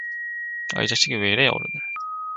“아, 이자식이 왜 이래 어른을.”